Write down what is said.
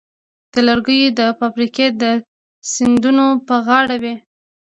د لرګیو فابریکې د سیندونو په غاړه وې.